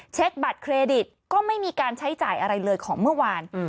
เช็คบัตรเครดิตก็ไม่มีการใช้จ่ายอะไรเลยของเมื่อวาน